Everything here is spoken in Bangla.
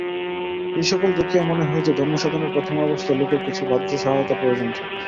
এই-সকল দেখিয়া মনে হয় যে, ধর্মসাধনের প্রথমাবস্থায় লোকের কিছু বাহ্য সহায়তার প্রয়োজন থাকে।